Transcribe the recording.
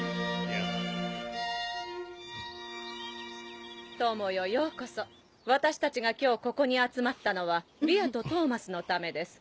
やぁ。友よようこそ。私たちが今日ここに集まったのはビアとトーマスのためです。